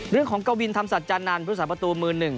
เรื่องของเกาวินธรรมสัจจันทร์นานพฤษฎาประตูมือ๑